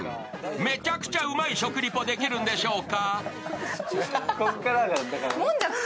めちゃくちゃうまい食リポできるんでしょうか。